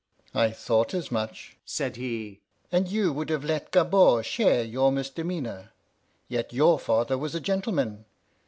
"I thought as much," said he, "and you would have let Gabord share your misdemeanor. Yet your father was a gentleman!